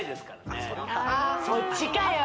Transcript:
そっちかよ